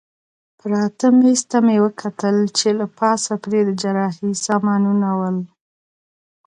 پراته مېز ته مې وکتل چې له پاسه پرې د جراحۍ سامانونه ول.